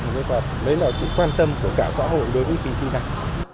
một cái quạt đấy là sự quan tâm của cả xã hội đối với kỳ thi này